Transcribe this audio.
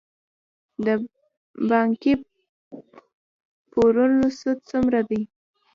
د بانکي پورونو سود څومره دی؟